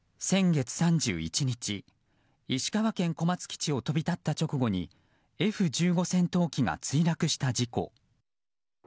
先月３１日、石川県小松基地を飛び立った直後にＦ１５戦闘機が墜落した事故。